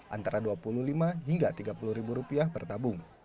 antara rp dua puluh lima hingga rp tiga puluh bertabung